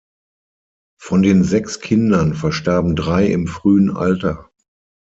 Von den sechs Kindern verstarben drei im frühen Alter.